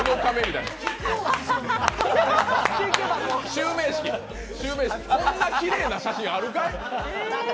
襲名式、こんなきれいな写真あるかい？